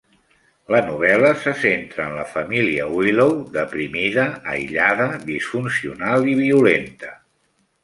La novel·la se centra en la família Willow deprimida, aïllada, disfuncional i violenta.